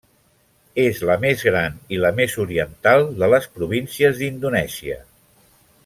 És la més gran i la més oriental de les províncies d'indonèsia.